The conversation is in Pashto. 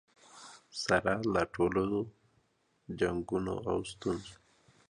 سره له ټولو جنګونو او ستونزو.